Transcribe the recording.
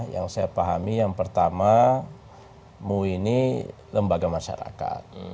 yang saya pahami yang pertama mui ini lembaga masyarakat